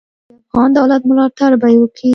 د افغان دولت ملاتړ به وکي.